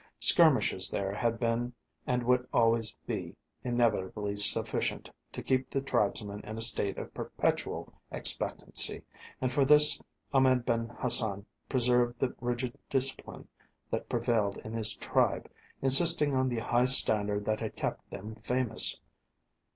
Skirmishes there had been and would always be inevitably sufficient to keep the tribesmen in a state of perpetual expectancy, and for this Ahmed Ben Hassan preserved the rigid discipline that prevailed in his tribe, insisting on the high standard that had kept them famous.